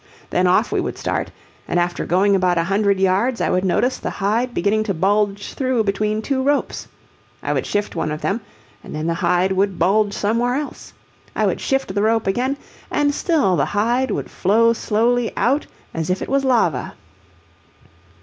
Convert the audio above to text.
Then off we would start, and after going about a hundred yards I would notice the hide beginning to bulge through between two ropes. I would shift one of them, and then the hide would bulge somewhere else. I would shift the rope again; and still the hide would flow slowly out as if it was lava.